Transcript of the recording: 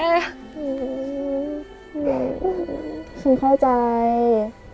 ฉันเข้าใจ